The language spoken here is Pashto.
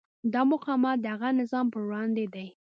دا مقاومت د هغه نظام پر وړاندې دی.